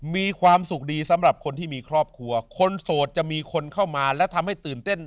มีความสุขดีสำหรับคนที่มีครอบครัวคนโสดจะมีคนเข้ามาและทำให้ตื่นเต้น